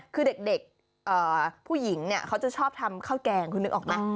คือเด็กผู้หญิงเนี่ยเขาจะชอบทำข้าวแกงคุณนึกออกไหม